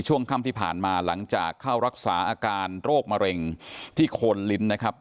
ช่วงค่ำที่ผ่านมาหลังจากเข้ารักษาอาการโรคมะเร็งที่โคนลิ้นนะครับ